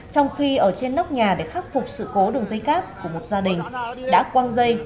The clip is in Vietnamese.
trong khi ở trên nóc nhà để khắc phục sự cố đường dây cáp của một gia đình đã quang dây